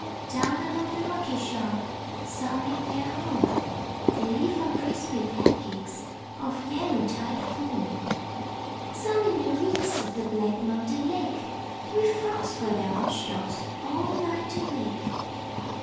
Down along the rocky shore Some make their home, They live on crispy pancakes Of yellow tide foam; Some in the reeds Of the black mountain lake, With frogs for their watch dogs, All night awake.